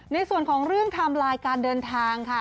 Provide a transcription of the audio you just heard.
ในส่วนของเรื่องไทม์ไลน์การเดินทางค่ะ